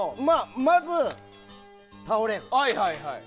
まず倒れる。